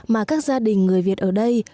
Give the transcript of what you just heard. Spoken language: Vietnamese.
mà các gia đình người việt ở đây